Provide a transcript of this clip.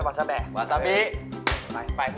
มึงวาซามี